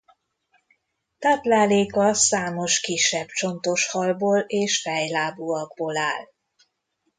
Tápláléka számos kisebb csontos halból és fejlábúakból áll.